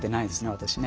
私ね。